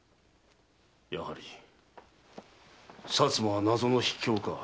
やはり薩摩は謎の秘境か。